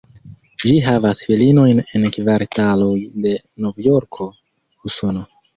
Ĝi havas filiojn en kvartaloj de Novjorko, Usono.